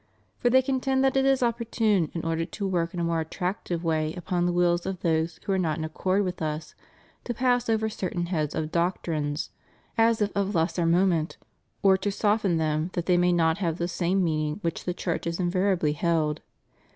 For they contend that it is opportune, in order to work in a more attractive way upon the wills of those who are not in accord with us, to pass over certain heads of doctrines, as if of lesser moment, or to so soften them that they may not have the same meaning which the Church has invariably held.